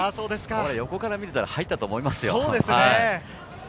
横から見ていたら入ったと思いますよね。